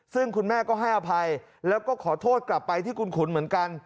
ซึ่งคุณแม่ก็ให้อภัยแล้วก็ขอโทษกลับไปที่คุณขุนเหมือนกัน